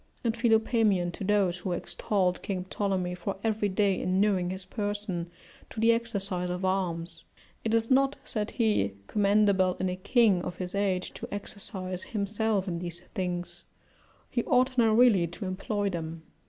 And Philopaemen, to those who extolled King Ptolemy for every day inuring his person to the exercise of arms: "It is not," said he, "commendable in a king of his age to exercise himself in these things; he ought now really to employ them."